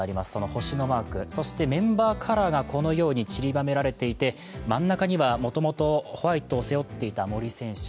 星のマーク、メンバーカラーがこのようにちりばめられていて真ん中にはもともとホワイトを背負っていた森選手。